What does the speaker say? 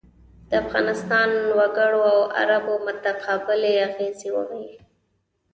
د افغانستان وګړو او عربو متقابلې اغېزې وې.